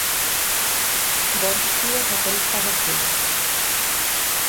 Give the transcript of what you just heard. Bonos díes a tolos pasaxeros.